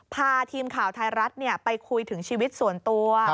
พาทีมข่าวไทยรัฐไปคุยถึงชีวิตส่วนตัว